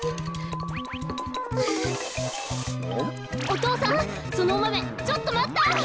お父さんそのおマメちょっとまった！